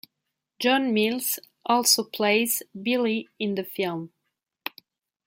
John Mills also plays Billy in the film.